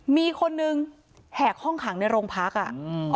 มีคนนึงแหกห้องขังในโรงพักอ่ะอืม